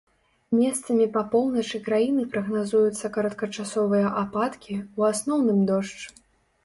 Месцамі па поўначы краіны прагназуюцца кароткачасовыя ападкі, у асноўным дождж.